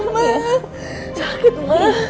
mama jaga itu